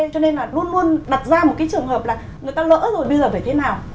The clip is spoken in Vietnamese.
cho nên là luôn luôn đặt ra một cái trường hợp là người ta lỡ rồi bây giờ phải thế nào